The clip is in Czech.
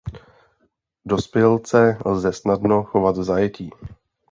Dospělce lze snadno chovat v zajetí.